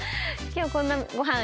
今日こんなご飯。